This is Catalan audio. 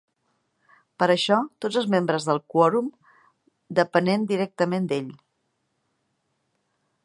Per això, tots els membres del quòrum depenent directament d"ell.